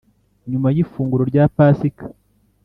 nyuma y ifunguro rya Pasika